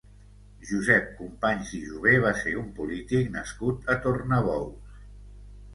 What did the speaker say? Josep Companys i Jover va ser un polític nascut a Tornabous.